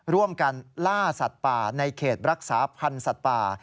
ร่วมกันล่าสัตว์ป่าในเขตรักษาพันธ์สัตว์ป่า